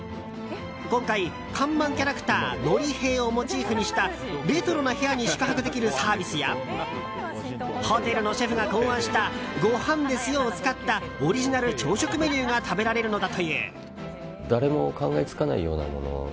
今回、看板キャラクターのり平をモチーフにしたレトロな部屋に宿泊できるサービスやホテルのシェフが考案したごはんですよ！を使ったオリジナル朝食メニューが食べられるのだという。